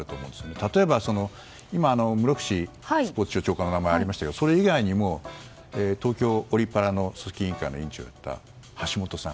例えば、室伏スポーツ庁長官の名前が挙がりましたがそれ以外にも、東京オリパラの組織委員会会長の橋本さん。